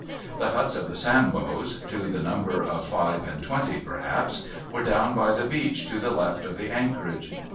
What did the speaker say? The huts of the Sambos, to the number of five and twenty, perhaps, were down by the beach to the left of the anchorage.